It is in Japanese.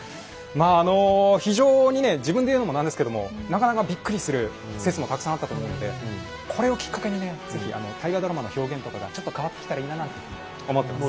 まああの非常にね自分で言うのもなんですけどもなかなかびっくりする説もたくさんあったと思うのでこれをきっかけにね是非大河ドラマの表現とかがちょっと変わってきたらいいななんて思ってます。